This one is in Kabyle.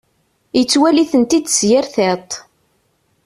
Yettwali-tent-id s yir tiṭ.